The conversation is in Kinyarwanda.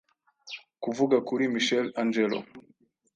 Kuvuga kuri Michelangelo